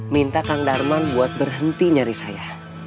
minta kang darman buat berhenti nyari saya